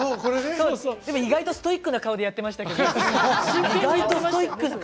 意外とストイックな顔でやってましたけどね。